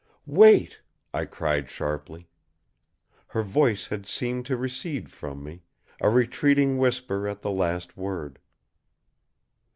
"Wait!" I cried sharply. Her voice had seemed to recede from me, a retreating whisper at the last word.